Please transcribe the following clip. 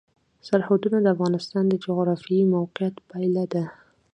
سرحدونه د افغانستان د جغرافیایي موقیعت پایله ده.